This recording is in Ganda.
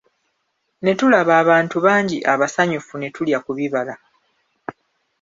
Ne tulaba abantu bangi abasanyufu, ne tulya ku bibala.